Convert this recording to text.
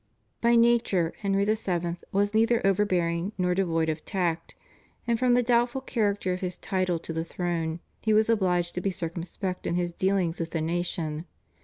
By nature Henry VII. was neither overbearing nor devoid of tact, and from the doubtful character of his title to the throne he was obliged to be circumspect in his dealings with the nation.